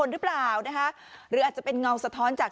นี่นี่นี่นี่นี่นี่นี่